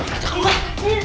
kita ke luar